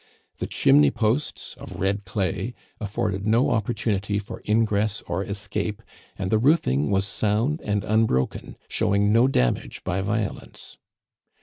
The chimney posts, of red clay, afforded no opportunity for ingress or escape, and the roofing was sound and unbroken, showing no damage by violence.